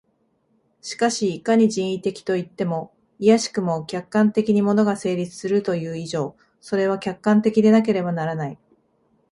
しかしいかに人為的といっても、いやしくも客観的に物が成立するという以上、それは客観的でなければならない。